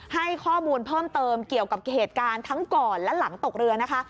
ให้ข้อมูลเพิ่มเติมเกี่ยวกับเหตุการณ์ทั้งก่อนและหลังตกเรือนะคะ